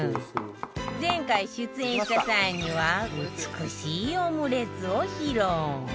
前回出演した際には美しいオムレツを披露